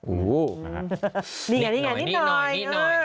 อู้วนี่ไงนิดหน่อย